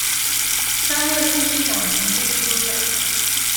三位副市長及秘書長